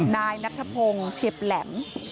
นายนักทะพงเชียบแหลม